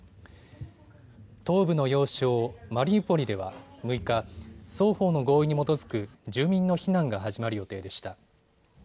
東部の要衝マリウポリでは６日、双方の合意に基づく住民の避難が始まる予定でした。